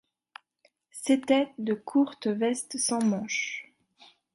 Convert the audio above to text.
C'était de courtes vestes sans manches.